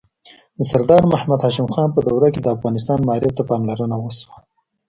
د سردار محمد هاشم خان په دوره کې د افغانستان معارف ته پاملرنه وشوه.